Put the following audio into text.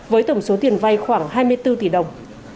với tổng số tiền vay khoảng hai mươi bốn tỷ đồng